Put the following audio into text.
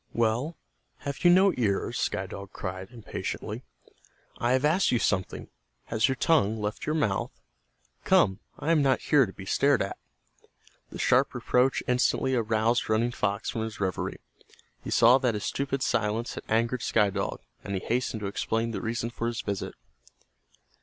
"Well, have you no ears?" Sky Dog cried, impatiently. "I have asked you something. Has your tongue left your mouth? Come, I am not here to be stared at." The sharp reproach instantly aroused Running Fox from his reverie. He saw that his stupid silence had angered Sky Dog, and he hastened to explain the reason for his visit.